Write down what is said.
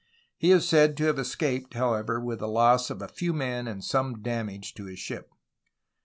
He is said to have escaped, however, with the loss of a few men and some damage to his ship.